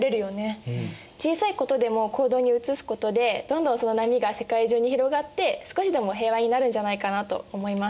小さいことでも行動に移すことでどんどんその波が世界中に広がって少しでも平和になるんじゃないかなと思います。